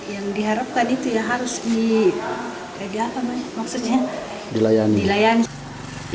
yang diharapkan itu ya harus di layani